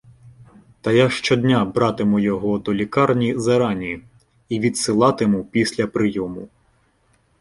Та я щодня братиму його до лікарні зарані, а відсилатиму після прийому.